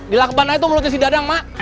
di lakban aja tuh mulutnya si dadang mak